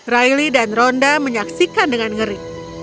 riley dan rhonda menyaksikan dengan ngeri